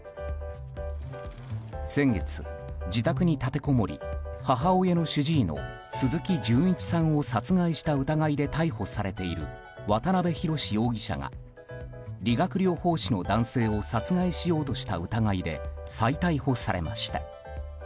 先月、自宅に立てこもり母親の主治医の鈴木純一さんを殺害した疑いで逮捕されている渡辺宏容疑者が理学療法士の男性を殺害しようとした疑いで再逮捕されました。